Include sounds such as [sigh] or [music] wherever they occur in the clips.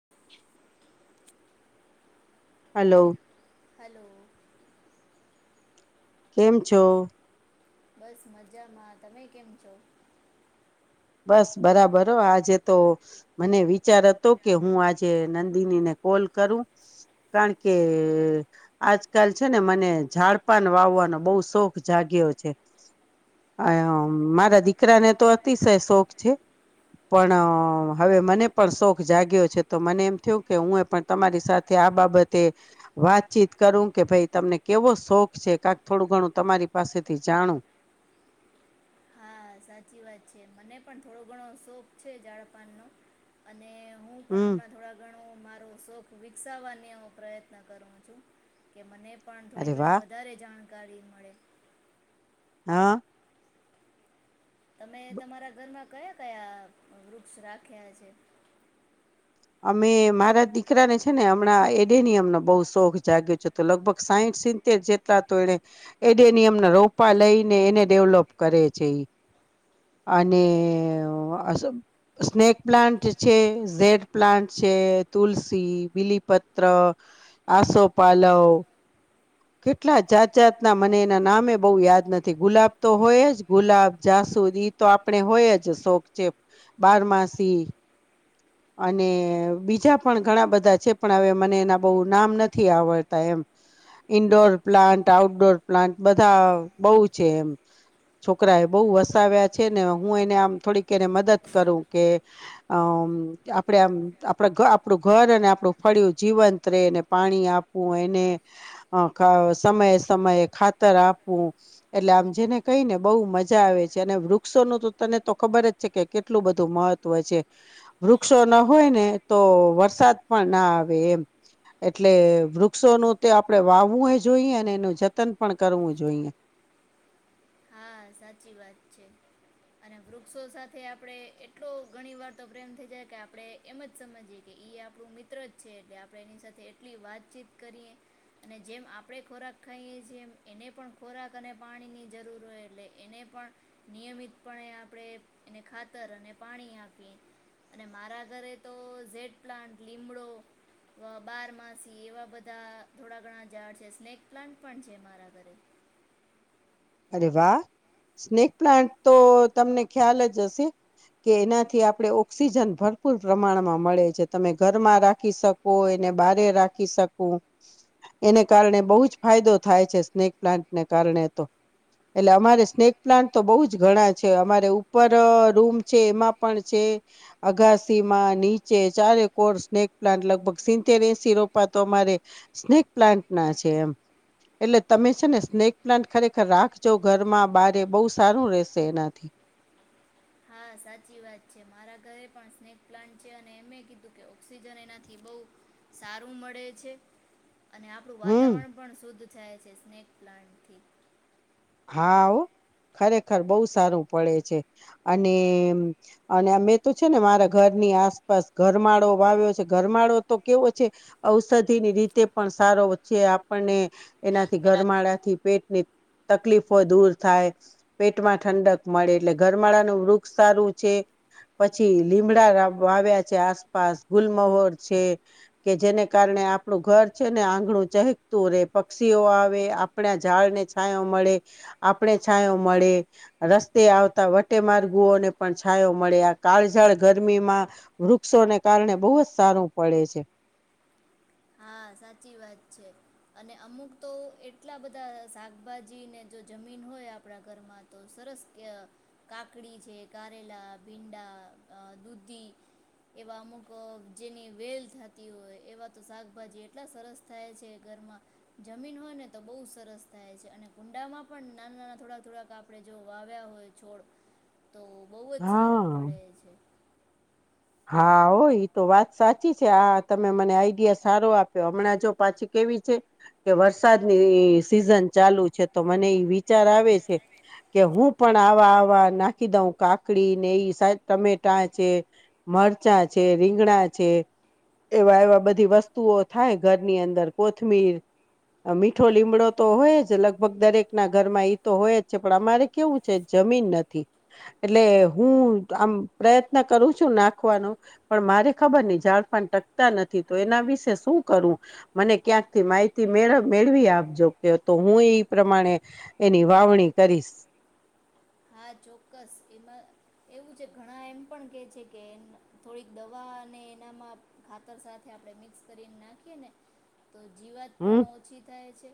[inaudible] Hello. Hello. કેમ છો. બસ મજામાં તમે કેમ છો. બસ બરાબર હો આજે તો મને વિચાર હતો કે હું આજે નંદિનીને કોલ કરું. કારણ કે આજકાલ છે ને મને ઝાડપાન વાવવાનો બહુ શોખ જાગ્યો છે મારા દીકરાને તો અતિશય શોખ છે પણ હવે મને પણ શોખ જાગ્યો છે તો મને એમ થયું કે હું એ પણ તમારી સાથે આ બાબતે વાતચીત કરું કે ભાઈ તમને કેવો શોખ છે કાક થોડું ઘણું તમારી પા પાસેથી જાણું. હા. હા સાચી વાત છે મને પણ થોડો ઘણો શોખ છે ઝડપાનનો અને હું પણ હમ હમણાં થોડા ઘણું મારું શોખ વિકસાવવાની હું પ્રયત્ન કરું છું કે મને પણ થોડી અરે ઘણી વાહ વધારે જાણકારી મળે હા. તમે તમારા ઘરમાં કયા કયા વૃક્ષ રાખ્યા છે. અમે મારા દીકરાને છે ને હમણાં એડેનીયમનો બઉ શોખ જાગ્યો છે તો લગભગ સાઈઠ સીતેેર જેટલા તો એણે એડેનિયમ ના રોપા લઈને એને ડેવલોપ કરે છે ઈ. [inaudible] અને અરે અ સ્નેક પ્લાન્ટ છે ઝેડ. પ્લાન્ટ છે તુલસી, બીલીપત્ર, આસો પાલવ કેટલા જાત જાતના મને એના નામે બહુ યાદ નથી ગુલાબ તો હોય જ ગુલાબ જાસુ તો ઈતો આપણે હોય જ શોખ છે બારમાસી અને બીજા પણ ઘણા બધા છે પણ હવે મને એના બહુ નામ નથી આવડતા એમ ઈન્ડોર પ્લાન્ટ આઉટડોર પ્લાન્ટ બધા બહુ છે એમ છોકરા એ બહુ વસાવ્યા છે ને હું એને આમ થોડીક એને મદદ કરું કે અ આપડે આમ આપણા ઘર આપણું ઘર અને આપણું ફળિયું જીવંત રહેને પાણી આપવું એ એને અ ખ સમયે સમયે ખાતર આપવું એટલે આમ જેને કહીને બહુ મજા આવે છ છેને વૃક્ષોનું તો તને તો ખબર જ છે કે કેટલું બધું મહત્વ છે વૃક્ષો ના હોય ને તો વરસાદ પણ ના આવે એમ એટલે વૃક્ષોનું તો આપ પણે વાવવું એ જોઈએ અને એનું જતન પણ કરવું જોઈએ. હા સાચી વાત છે. અને વૃક્ષો સાથે આપડે એટલો ઘણી વાર તો પ્રેમ થઇ જાય કે આપડે એમ જ સમજીયે કે ઈ આપણું મિત્ર જ છે એટલે આપણે એની સાથે એટલી વાતચીત કરીએ અને જેમ આપડે ખોરાક ખાઈએ છીએ એમ એને પણ ખોરાક અને પાણી ની જરૂર હોય એટલે એને પણ નિયમિતપણે આપણે એને ખાતર અને પાણી આપીયે અને મારા ઘરે તો ઝેડ પ્લાન્ટ લીમડો બારમાસી એવા બધા થોડા ઘણા ઝાડ છે સ્નેક પ્લાન્ટ પણ છે મારા ઘરે [inaudible] અરે વાહ. સ્નેક પ્લાન્ટ તો તમને ખ્યાલ જ હશે કે એનાથી આપડણે ઓક્સિજન ભર ભરપૂર પ્રમાણમાં મળે છે, તમે ઘરમાં રાખી શકો એને બારે રાખી શકો. એને કારણે બહુ જ ફાયદો થાય છે, સ્નેક પ્લાન્ટને કારણે તો. [inaudible] એટલે અમારે સ્નેક પ્લાન્ટ તો બહુ જ ઘણા છે, અમારે ઉપર રૂમ છે, એમાં પણ છે. અગાસી માં નીચે ચારે કોર સ્નેક પ્લાન્ટ લગભગ સીતેર- એનસી રોપાતો અમારે સ્નેક પ્લાન્ટ ના છે, એમ એટલે તમે છે, ને સ્નેક પ્લાન્ટ ખરે [unintelligible] રાખજો ઘરમાં બારે બહુ સારું રહેશે એનાથી. હા, સાચી વાત છે. મારા ઘરે પણ સ્નેક પ્લાન્ટ છે, અને એમે કીધું કે ઓક્સિજન એનાથી બવ [unintelligible] સારું મળે છે. અને આપણું હમ વાતાવરણ પણ શુદ્ધ થાય છે, સ્નેક પ્લાન્ટથી. હા. ખરેખર બહુ સારું પડે છે, અને અને મે તો છે, ને મારા ઘર ની આસપાસ ગરમાળો વાવ્યો છે, ગરમાળો તો કેવો છે, ઔષધિ ની રીતે પણ સાર છે, આપણને એનાથી એના ગરમાળાથી પેટને તકલીફો દૂર થાય પેટમાં ઠંડક મળે એટલે ગરમાળાનું વૃક્ષ સારું છે. પછી લીમડા વાવ્યા છે, આસપાસ ગુલમહોર છે, કે જેને કારણે આપણું ઘર છે, ને આંગણું ચહકતું રે પક્ષીઓ આવે આપણા ઝાળ ને છાયા મળે આપણે છાંયો મળે, રસ્તે આવતા વટે માર્ગોને પણ છાયો મળે. કાળઝાળ ગરમીમાં વૃક્ષોને કારણે બહુ જ સારું પડે છે. હા. સાચી વાત છે, અને અમુક તો એટલા બધા શાકભાજીને જો જમીન હોય હોય આપણા ઘરમાં તો સરસ કે કાકડી છે, કારેલા, ભીંડા, દૂધી એવા અમુક જેની વેલ થતી હોય એવા તો શાકભાજી એટલા સરસ થાય છે. ઘરમાં જમીન હોય ને તો બહુ સરસ થાય છે, અને કુંડ અંડામાં પણ નાના નાના થોડાક થોડાક આપણે જો વાવ્યા હોય છોડ તો બહુ જ હા સારું પડે છે. હા, ઓ તો વાત સાચી છે. આા તમે મને આઈડિયા સારો આપ્યો હમણાં જો પાછી [unintelligible] કેવી કે વરસાદની સીઝન ચાલુ છે. તો મને એ વિચાર આવે છે. કે હું પણ આવા આવા નાખી દઉં કાકડી ને એ ટમેટા છે, મરચાં છે, રીંગડા છે. એવા એવા બધી વસ્તુઓ થાય ઘરની અંદર કોથમીર, મીઠો લીમડો તો હોય જ લગભગ દરેક ના ઘરમાં તો હોય જ છે, પણ અમારે કેવું છે જમીન નથી. એટલે હું આમ પ્રયત્ન કરું છું ના [unintelligible] પણ મારે ખબર ન ઝાડપાન [unintelligible] ટકતા નથી તો એના વિશે શું કરું? મને ક્યા માહિતી મેળ મેળવી આપજો કે તો હું એ પ્રમાણે એની વાવણી કરીશ. [inaudible] હા ચોક્કસ એમાં એવું છે, ઘણા એમ પણ કે છે કે થોડીક દવા અને એનામાં ખાતર સાથે આપણે મિક્સ કરીને નાખીએ ને તો જીવાત હમ પણ ઓછી થાય છે.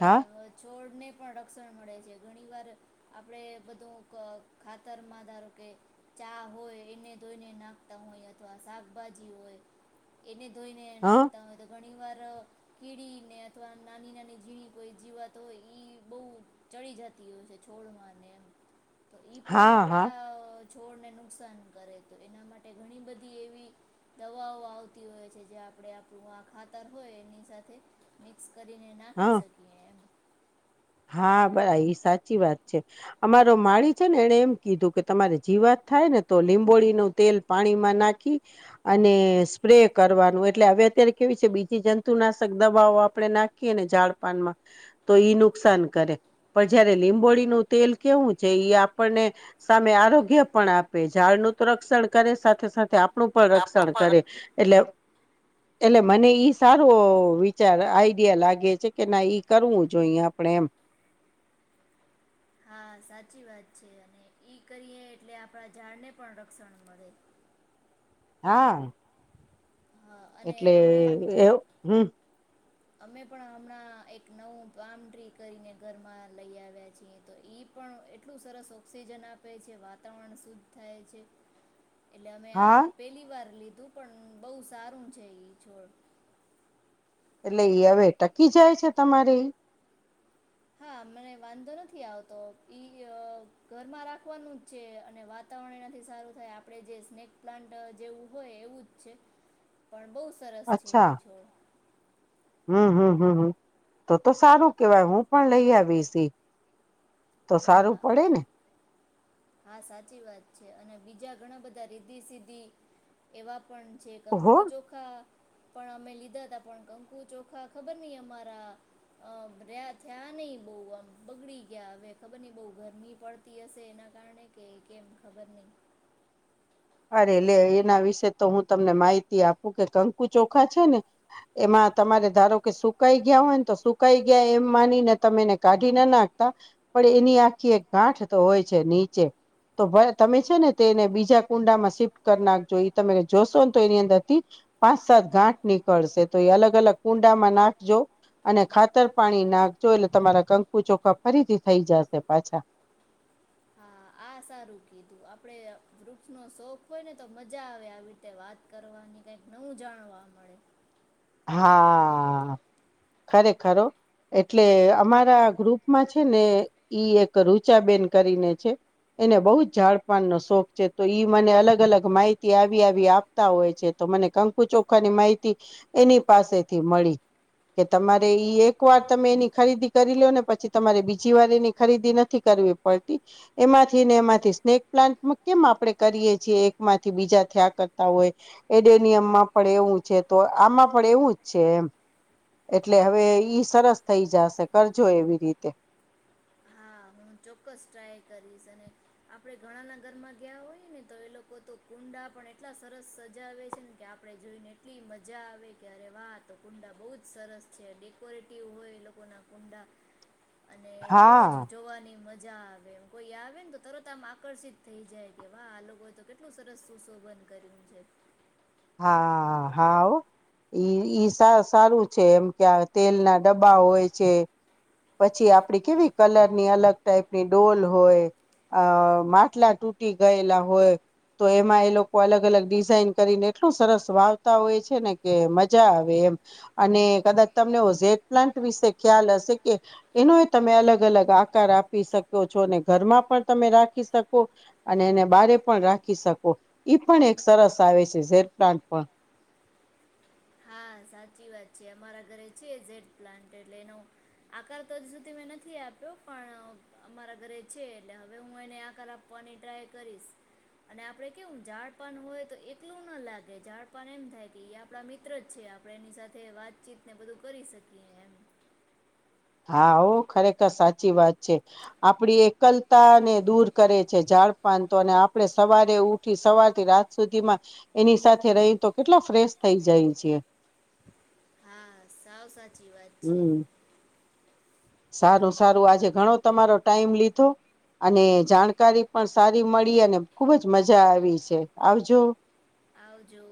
હા. થડ [unintelligible] ને પણ રક્ષણ મળે છે. ઘણી વાર આપડે બધું ખાતર માં ધારો કે ચા હોય એને ધોઈને નાખતા હોય અથવા શાકભાજી હોય એને ધોઈને હા નાખતા હોય તો ઘણી [unintelligible] વાર કીડીને અથવા નાની નાની જીણી કોઈ જીવાત તો ઈ બહ [unintelligible] ચડ જતી હોય છે, છોડમાંને તો ઈ પણ હા હા આપડા છોડને નુકસાન કરે તો એના માટે ઘણી બધી એવી દવાઓ આવતી હોય છે. જ્યાં આપ આપું આ ખાતર હોય એની સાથે મિક્સ કરીને નાખી હા શકીએ એમ. હા, બરા એ સાચી વાત છે, અમારો માળી છે ને એને એમ કીધું કે તમારે જી વાત થાય ને તો લીંબોળી નું તેલ પાણીમાં નાખી અને સ્પ્રે કરવાનું એટલે હવે અત્યારે કેવી છે બીજી જંતુનાશક દવાઓ આપણે નાખીએને ઝડપાનમાં તો ઈ નુ નુકસાન કરે પણ જયારે લીંબોળનું તેલ કેવું છે એ આપણને સામે આરોગ્ય પણ આપે ઝાડનું તો રક્ષણ કરે સાથે સાથે આપણું પણ આપણો રક્ષણ પણ કરે એટલે [inaudible] એટલે મને ઈ સારો વિચાર આઈડિયા લાગે છે કે ના ઈ કરવું જોઈ આપણે એમ હા સાચી વાત છે અને ઈ કરીએ એટલે આપણા ઝાડને પણ રક્ષણ મળે [inaudible] હા હા અને એટલે અમે એવ હમ્મ અમે પણ હમણાં એક નવું પામ ટ્રી કરીને ઘરમાં લઈ આવ્યા છીએ તો ઈ પણ એટલું સરસ ઓક્સિજન આપે છે વાતાવરણ શુદ્ધ થાય છે એટલે અમે આ હા પેલી વાર લીધું પણ બહુ સારું છે ઈ છોડ એટલે હવે ટકી જાય છે તમારે હા મને વાંધો નથી આવતો ઈ અ ઘરમાં રાખવાનું જ છે અને વાતા વરન સારું થાય આપે જે સ્નેક પ્લાન્ટ જેવું હોય એવું જ છે પણ બ સરસ છે એ છોડ હમ્મ હમ્મ હમ્મ તો તો સારું કેવાય હું પણ લઈ આવીશ ઈ તો સારું હા પડે ને હા સાચી વાત છે અને બીજા ઘણા બધા રીધી સીધી એવા પણ છે ઓહો કંકુ ચોખા પણ અમે લીધા હતા પણ કંકુ ચોખા ખબર નઈ અમારા અમ રહ્યા થયા નહી બહ આમ બગડી ગયા હવે ખબર નઈ બહ ગરમી પડતી હશે એના કારણે કે કેમ ખબર નહી અરે લે એના વિશે તો હું તમને માહિતી આપું કે કંકુ ચોખા છે ને એમાં તમારે ધારો કે સુકાઈ ગયા હોય ને તો સુકાઈ ગયા એમ માનીને તમે એને કાઢી ના નાખતા પણ એની આખી એક ગાંઠ તો હોય છે નીચે તો તમે છે ને તેને બીજા કુંડામાં શિફ્ટ કર નાખ જો એ તમે જોશો ને તો એની અંદર થી પાંચ સાત ગાંઠ નીકળશે તો અલગ અલગ કુંડામાં નાખજો અને ખાતર પાણી નાખજો એટલે તમારા કંકુ ચોખા ફરીથી થઈ જશે પાછા હા આ સારું કીધું આપડણે વૃક્ષનો શોખ હોય ને તો મજા આવે આવી રીતે વાત કરવાની કઈક નવું જાણવા મળે હા ખરે ખર હો એટલે અમારા ગ્રુપમાં છે ને ઈ એક રુચાબેન કરીને છે એને બહુ જ ઝાડપાનનો શોખ છે તો ઈ મને અલગ અલગ માહિતી આવી આવી આપતા હોય છે તો મને કંકુ ચોખાની માહિતી એની પાસેથી મળી કે તમારે ઈ એક વાર તમે એની ખરીદી કરી લિયોને ને પછી તમારે બીજી વાર એની ખરીદી નથી કરી વી પડતી એમાંથી ને એમાંથી સ્નેક પ્લાન્ટ કેમ આપણે કરીએ છીએ એકમાંથી બીજા થ્યા કરતા હોય એડેનિયમમાં પણ એવું છે તો આમાં પણ એવું જ છે એમ એટલે હવે ઈ સરસ થઈ જાશે કરજો એવી રીતે હા ચોક્કસ ટ્રાય કરીશ અને આપડે ઘણાના ઘરમાં ગયા હોય ને તો એ લોકો તો કુંડા પણ એટલા સરસ સજાવે છે ને કે આપણે જોઈને એટલી મજા આવે કે અરે વાહ તો કુંડા બહુ જ સરસ છે ડેકોરેટિવ હોય એ લોકો ના કુંડા અને બહુ જ હા જોવાની મજા આવે કોઈ આવે ને તો તરત આમ આકર્ષિત થઈ જાય કે વાહ આ લોકો તો કેટલું સરસ સુો સોબંધ કરિયુ છે હા હા ઈ સારું છે એમ કે તેલના ડબ્બા હોય છે પછી આપડી કેવી કલરની અલગ ટાઈપની ડોલ હોય અ માટલા તૂટી ગયેલા હોય તો એમાં એ લોકો અલગ અલગ ડિઝઇન કરીને એટલું સરસ વાવતા હોય છે ને કે મજા આવે એમ અને કદાચ તમને ઓઝે પલા વિશે ખ્યાલ હશે કે એનો તમે અલગ અલગ આકાર આપી શકો છો અને ઘરમાં પણ ત ત રાખી શકો અને એને બારે પણ રાખી શકો પણ એક સરસ આવે છે ઝેર રાત પ હા સાચી વાત છે અમારા ઘરે છે ટ પ્લાન્ટ એટલે એનો આકાર તો હજ સુધી મેં નથી આપ્યો જો પણ અમારા ઘરે છે એટલે હવે હું એને આકાર આપવાની ટ્રાય કરીશ અને આપડે કેવું ઝાડપાન હોય તો એકલું ના લાગે ઝાડપાન એમ થાય કે એ આપડા મિત્ર જ છે આપણે એની સાથે વાતચીત ને બધું કરી શકીએ એમ હા ઓ ખરેખર સાચી વાત છે આપડી એકલતા ને દૂર કરે છે જાડ આપણે સવારે ઉઠી સવારથી રાત સુધી માં એની સાથે રહી તો કેટલો ફ્રેશ થઈ જાય છે. હા સાવ સાચી વાત છે. હમ સારું સારું આજે ઘણો તમારો ટાઈમ લીધો અને જાણકારી પણ સારી મળી અને ખુબ જ મજા આવી છે આવજો આવજો